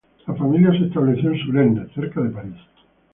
La familia se estableció en Suresnes, cerca de París.